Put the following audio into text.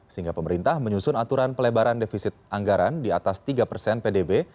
sehingga pemerintah menyusun aturan pelebaran defisit anggaran di atas tiga persen pdb